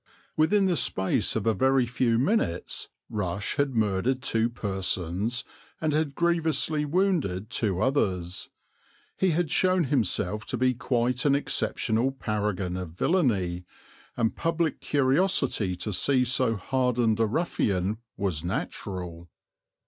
Within the space of a very few minutes Rush had murdered two persons and had grievously wounded two others; he had shown himself to be quite an exceptional paragon of villainy, and public curiosity to see so hardened a ruffian was natural.